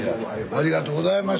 ありがとうございます！